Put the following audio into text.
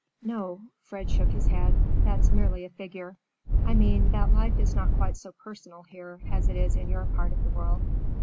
"No,"—Fred shook his head,—"that's merely a figure. I mean that life is not quite so personal here as it is in your part of the world.